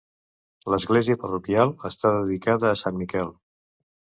L'església parroquial està dedicada a sant Miquel.